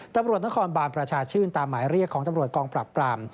ตำรวจนครบานประชาชื่นตามหมายเรียกของตำรวจกองปรับปราม